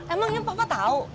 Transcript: emangnya papa tau